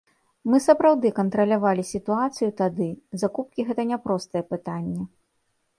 Мы сапраўды кантралявалі сітуацыю тады, закупкі гэта няпростае пытанне.